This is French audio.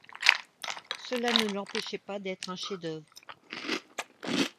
Cela ne l’empêchait pas d’être un chef-d’œuvre.